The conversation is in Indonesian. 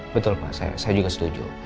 betul pak saya juga setuju